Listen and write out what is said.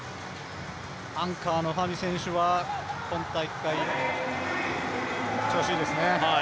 アンカーのファミ選手は今大会調子いいですね。